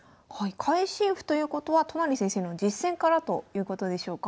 会心譜ということは都成先生の実戦からということでしょうか？